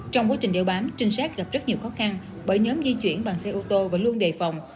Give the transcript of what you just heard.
trong quá trình đeo bám trinh sát gặp rất nhiều khó khăn bởi nhóm di chuyển bằng xe ô tô vẫn luôn đề phòng